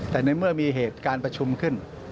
แต่ในเมื่อมีเหตุการณ์ประชุมขึ้น